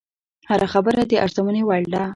هره خبره د ارزونې وړ ده